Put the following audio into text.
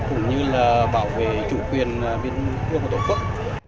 cũng như bảo vệ chủ quyền biển đảo thiêng liêng của tổ quốc